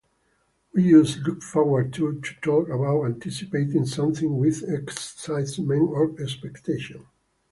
We use "look forward to" to talk about anticipating something with excitement or expectation.